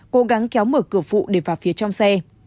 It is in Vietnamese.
cố gắng kéo mở cửa phụ để vào phía trong xe